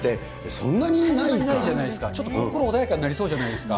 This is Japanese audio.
そんなにないじゃないですか、ちょっと心穏やかになりそうじゃないですか。